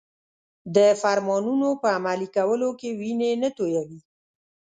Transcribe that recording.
د فرمانونو په عملي کولو کې وینې نه تویوي.